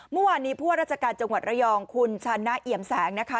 เมื่อวานนี้ผู้ว่าราชการจังหวัดระยองคุณชันนะเอี่ยมแสงนะคะ